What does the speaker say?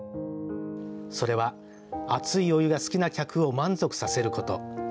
それは熱いお湯が好きな客を満足させること。